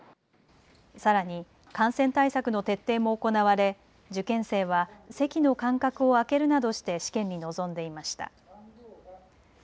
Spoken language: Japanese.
さらに感染対策の徹底も行われ受験生は席の間隔を空けるなどして試験に臨んでいました。